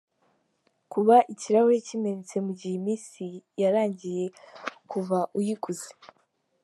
Kuba ikirahuri kimenetse mugihe iminsi yarangiye kuva uyiguze.